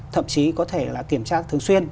thậm chí có thể là kiểm tra thường xuyên